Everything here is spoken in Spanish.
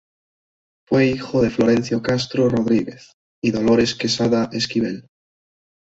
Fue hijo de Florencio Castro Rodríguez y Dolores Quesada Esquivel.